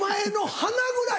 鼻ぐらい。